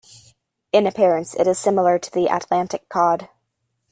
In appearance, it is similar to the Atlantic cod.